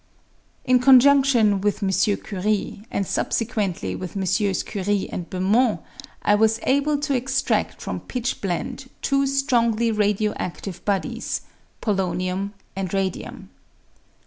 In conjundion with M. Curie, and subsequently with MM. Curie and Bemont, I was able to extrad from pitch blende two strongly radio adive bodies — polonium and radium.